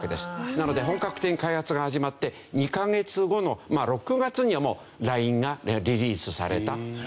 なので本格的に開発が始まって２カ月後の６月にはもうＬＩＮＥがリリースされたというわけです。